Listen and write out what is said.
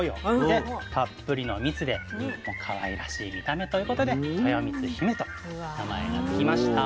でたっぷりの「蜜」でかわいらしい見た目ということで「とよみつひめ」と名前が付きました。